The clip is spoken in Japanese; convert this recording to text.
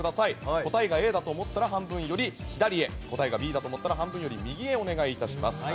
答えがＡだと思ったら半分より左へ答えがＢだと思ったら半分より右へお願いします。